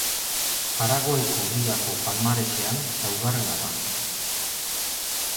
Paraguaiko ligako palmaresean laugarrena da.